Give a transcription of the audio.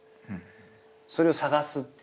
それを探すって。